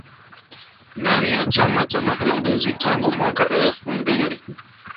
Ndani ya chama cha mapinduzi tangu mwaka elfu mbili